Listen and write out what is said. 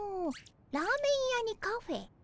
ラーメン屋にカフェ。